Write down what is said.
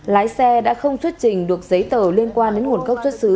lái xe đã không xuất trình được giấy tờ liên quan đến nguồn gốc xuất xứ